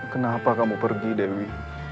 kenapa kamu pergi dewi